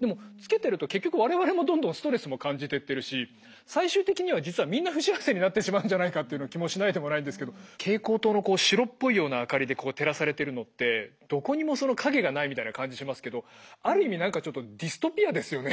でもつけてると結局我々もどんどんストレスも感じてってるし最終的には実はみんな不幸せになってしまうんじゃないかっていう気もしないでもないんですけど蛍光灯の白っぽいような明かりで照らされてるのってある意味何かちょっとディストピアですよね。